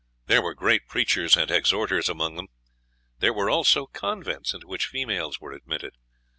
There were great preachers and exhorters among them. There were also convents into which females were admitted.